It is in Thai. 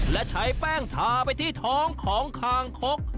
และใช้แป้งทาไปที่ท้องของคางคก